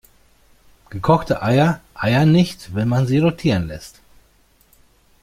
Gekochte Eier eiern nicht, wenn man sie rotieren lässt.